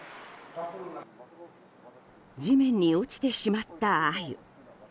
地面に落ちてしまったアユ。